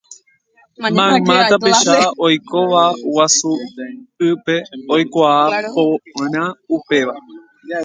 Mayma tapicha oikóva Guasu'ýpe oikuaa porã upéva.